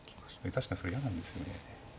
確かにそれ嫌なんですよね。